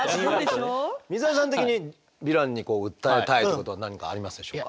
水谷さん的にヴィランに訴えたいことは何かありますでしょうか？